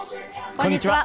こんにちは。